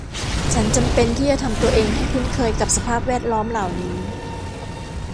ฉันจำเป็นที่จะทำตัวเองให้คุ้นเคยกับสภาพแวดล้อมเหล่านี้